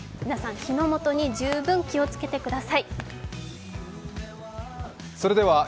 皆さん、火の元に十分気をつけてください。